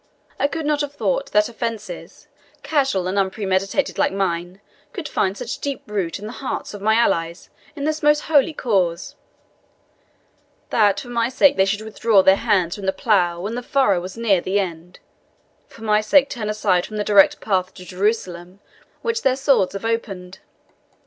I could not have thought that offences, casual and unpremeditated like mine, could find such deep root in the hearts of my allies in this most holy cause; that for my sake they should withdraw their hands from the plough when the furrow was near the end for my sake turn aside from the direct path to Jerusalem, which their swords have opened.